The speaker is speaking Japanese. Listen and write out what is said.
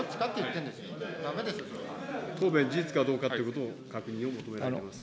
答弁、事実かどうかということを確認を求められます。